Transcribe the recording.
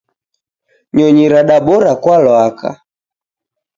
Nyonyi radabora kwa lwaka.